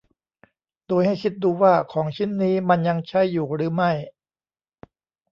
โดยให้คิดดูว่าของชิ้นนี้มันยังใช้อยู่หรือไม่